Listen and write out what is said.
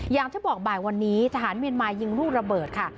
อย่างที่บอกบ่ายวันนี้ทหารเมียนมายิงลูกระเบิดค่ะ